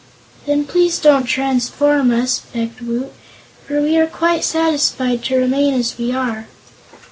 "Then please don't transform us," begged Woot, "for we are quite satisfied to remain as we are."